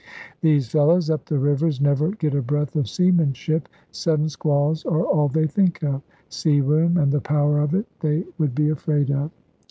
These fellows up the rivers never get a breath of seamanship. Sudden squalls are all they think of. Sea room, and the power of it, they would be afraid of.